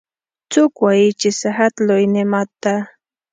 څوک وایي چې صحت لوی نعمت ده